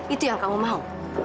itu yang kamu mau